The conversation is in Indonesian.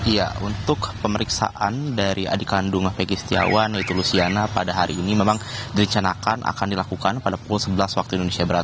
ya untuk pemeriksaan dari adik kandung peggie setiawan yaitu luciana pada hari ini memang direncanakan akan dilakukan pada pukul sebelas waktu indonesia barat